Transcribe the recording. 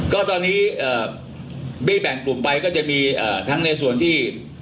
ก็ตอนนี้บี้แบ่งกลุ่มไปก็จะมีทั้งในส่วนที่